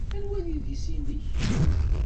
Anwa ay d idis-nnek?